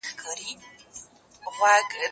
زه اجازه لرم چي مرسته وکړم!.